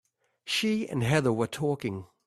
She and Heather were talking.